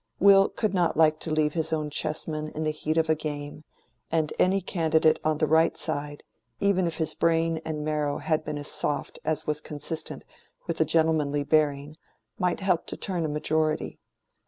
Will could not like to leave his own chessmen in the heat of a game; and any candidate on the right side, even if his brain and marrow had been as soft as was consistent with a gentlemanly bearing, might help to turn a majority.